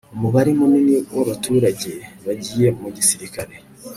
Umubare munini wabaturage bagiye mu gisirikare